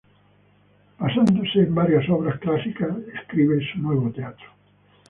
Basándose en varias obras clásicas, escribe su nuevo texto.